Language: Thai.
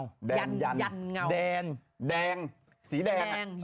ยันยันเงาแดงแดงสีแดงยันเงาโอ้โฮ